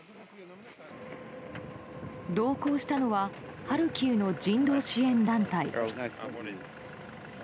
同行したのはハルキウの人道支援団体。